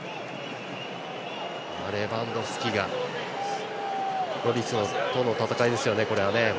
レバンドフスキがロリスとの戦いですね。